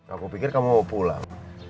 aku pikir kamu mau pulang